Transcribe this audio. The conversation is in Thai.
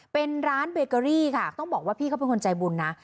เป็นร้านเบเกอรี่ค่ะต้องบอกว่าพี่เขาเป็นคนใจบุญนะ